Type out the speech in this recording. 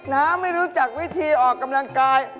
ไม่รู้จักวิธีออกกำลังกาย